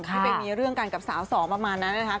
ที่ไปมีเรื่องกันกับสาวสองประมาณนั้นนะครับ